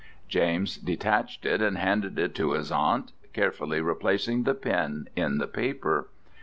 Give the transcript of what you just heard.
James detached it and handed it to his aunt, carefully replacing the pin in the paper.